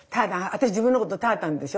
私自分のこと「たーたん」でしょう？